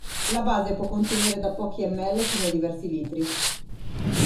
La base può contenere da pochi ml fino a diversi litri.